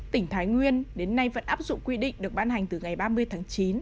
tỉnh thái nguyên đến nay vẫn áp dụng quy định được ban hành từ ngày ba mươi tháng chín